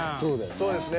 そうですね。